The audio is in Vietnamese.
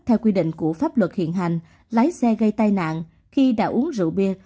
theo quy định của pháp luật hiện hành lái xe gây tai nạn khi đã uống rượu bia